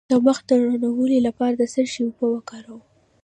د مخ د روڼوالي لپاره د څه شي اوبه وکاروم؟